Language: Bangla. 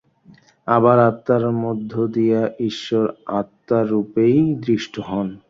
আবার আত্মার মধ্য দিয়া ঈশ্বর আত্মারূপেই দৃষ্ট হন।